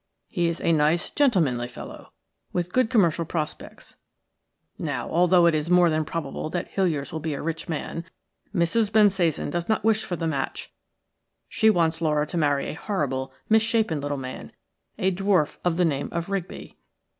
He is a nice, gentlemanly fellow, with good commercial prospects. Now, although it is more than probable that Hiliers will be a rich man, Mrs. Bensasan does not wish for the match. She wants Laura to marry a horrible, misshapen little man – a dwarf of the name of Rigby.